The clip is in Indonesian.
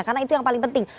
karena itu yang paling penting